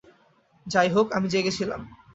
যাই হোক, আমি জেগে ছিলাম।